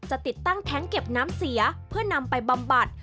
ติดตั้งแท้งเก็บน้ำเสียเพื่อนำไปบำบัด